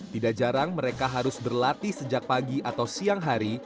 tidak jarang mereka harus berlatih sejak pagi atau siang hari